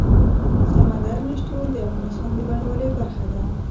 سمندر نه شتون د افغانستان د بڼوالۍ برخه ده.